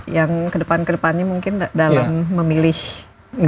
yang kedepan kedepannya mungkin dalam memilih karakter atau